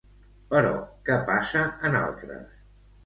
Però, què passa en altres?